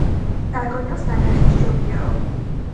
გაგონილს ნანახი სჯობიაო